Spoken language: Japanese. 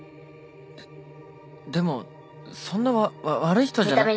でもそんな悪い人じゃ。